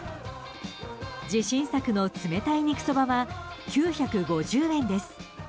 自信作の冷たい肉そばは９５０円です。